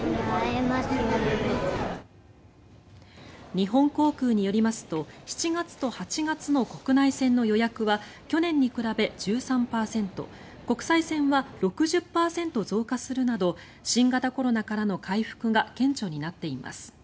日本航空によりますと７月と８月の国内線の予約は去年に比べ１３％国際線は６０％増加するなど新型コロナからの回復が顕著になっています。